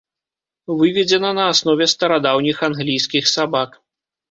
Выведзена на аснове старадаўніх англійскіх сабак.